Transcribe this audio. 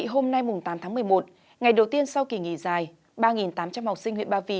hôm nay tám tháng một mươi một ngày đầu tiên sau kỳ nghỉ dài ba tám trăm linh học sinh huyện ba vì